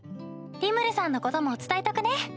リムルさんのことも伝えとくね。